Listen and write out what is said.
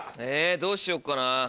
えどうしようかな。